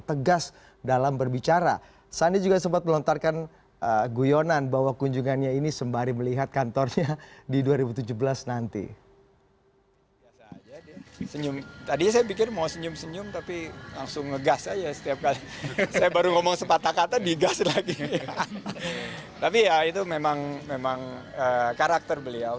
tapi ya itu memang karakter beliau